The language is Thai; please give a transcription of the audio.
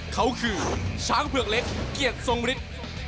เขาคือช้างเผือกเล็กเกียรติทรงฤทธิ์